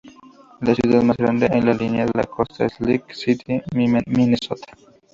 La ciudad más grande de la línea de costa es Lake City, Minnesota.